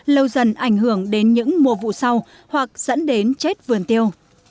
lâu dần ảnh hưởng đến những mùa vụ sau hoặc dẫn đến chết vườn tiêu